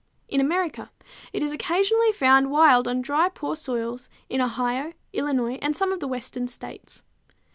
In America, it is occasionally found wild on dry, poor soils in Ohio, Illinois, and some of the western states.